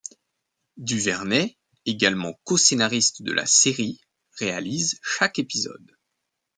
DuVernay, également co-scénariste de la série, réalise chaque épisode.